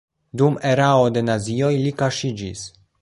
Dum erao de nazioj li kaŝiĝis.